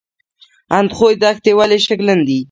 اندخوی دښتې ولې شګلن دي؟